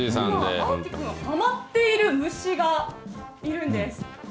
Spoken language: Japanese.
蒼貴くん、はまっている虫がいるんです。